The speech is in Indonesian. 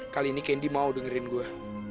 kali ini kendi mau dengerin gue